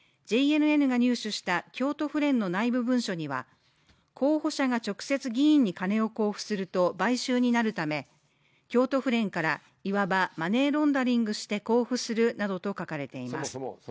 ＪＮＮが入手した京都府連の内部文書には候補者が直接、議員に金を交付すると買収になるため、京都府連からいわばマネーロンダリングして交付するなどと書かれています。